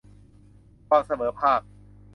ความเสมอภาค